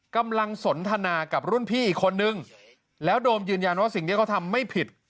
กำลังสนทนากับรุ่นพี่อีกคนนึงแล้วโดมยืนยันว่าสิ่งที่เขาทำไม่ผิด